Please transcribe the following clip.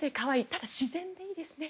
ただ、自然でいいですね。